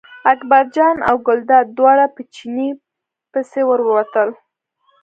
اکبرجان او ګلداد دواړه په چیني پسې ور ووتل.